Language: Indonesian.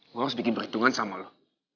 gue harus bikin perhitungan sama lo